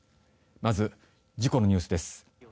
まず、事故のニュースです。